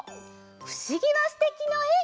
「ふしぎはすてき」のえ。